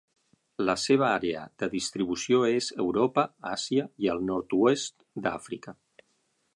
La seva àrea de distribució és Europa, Àsia i el nord-oest d'Àfrica.